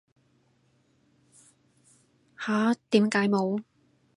吓？點解冇